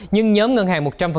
nhưng nhóm ngân hàng một trăm linh